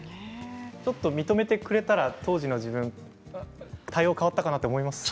ちょっと認めてくれたら当時の自分対応が変わったかなと思いますか。